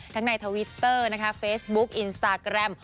ในทวิตเตอร์นะคะเฟซบุ๊คอินสตาแกรม